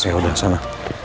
saya udah kesana